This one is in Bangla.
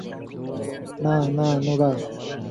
না, না, নোরাহ!